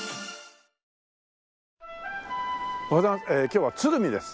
今日は鶴見です。